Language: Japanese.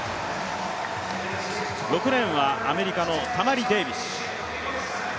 ６レーンはアメリカのタマリ・デービス。